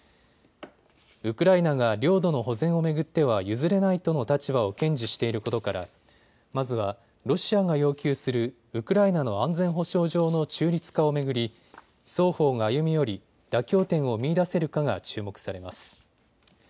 ウクライナが領土の保全を巡っては譲れないとの立場を堅持していることからまずはロシアが要求するウクライナの安全保障上の中立化を巡り双方が歩み寄り妥協点を見いだせるかが注目されます。